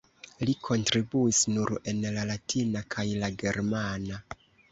Li kontribuis nur en la latina kaj la germana.